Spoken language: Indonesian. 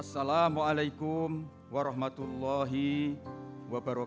assalamualaikum warahmatullahi wabarakatuh